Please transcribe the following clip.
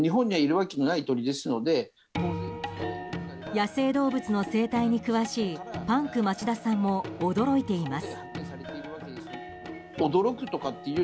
野生動物の生態に詳しいパンク町田さんも驚いています。